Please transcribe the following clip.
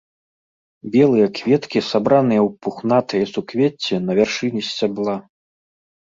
Белыя кветкі сабраныя ў пухнатыя суквецці на вяршыні сцябла.